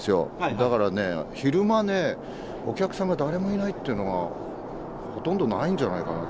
だからね、昼間ね、お客さんが誰もいないというのは、ほとんどないんじゃないかなと。